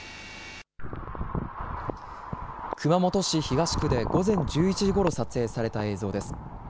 熊本市東区で午前１１時ごろ撮影された映像です。